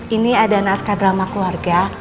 ini ada naskah drama keluarga